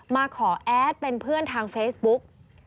มาขอแอดเป็นเพื่อนทางเฟซบุ๊ก